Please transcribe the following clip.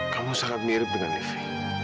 kamu sangat mirip dengan evi